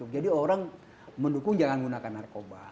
jadi orang mendukung jangan menggunakan narkoba